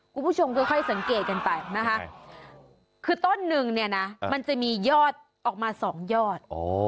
คุณผู้ชมค่อยสังเกตกันไปนะคะคือต้นหนึ่งเนี่ยนะมันจะมียอดออกมา๒ยอด